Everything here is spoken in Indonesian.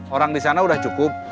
orang disana udah cukup